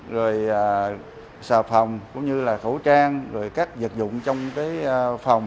rồi sờ phòng cũng như là khẩu trang rồi các dịch dụng trong cái phòng